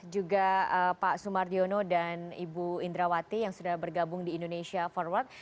juga pak sumardiono dan ibu indrawati yang sudah bergabung di indonesia forward